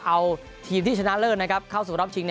เอาทีมที่ชนะเลิศนะครับเข้าสู่รอบชิง